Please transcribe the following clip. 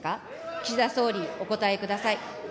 岸田総理、お答えください。